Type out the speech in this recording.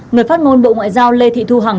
người phát ngôn bộ ngoại giao lê thị thu hằng